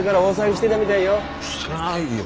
してないよ。